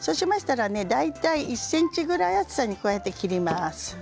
大体１ｃｍくらいの厚さに切ります。